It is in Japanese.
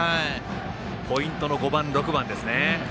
ポイントの５、６番ですね。